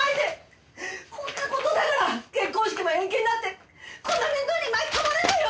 こんな事だから結婚式も延期になってこんな面倒に巻き込まれるのよ！